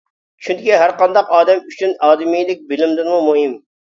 چۈنكى ھەرقانداق ئادەم ئۈچۈن ئادىمىيلىك بىلىمدىنمۇ مۇھىم!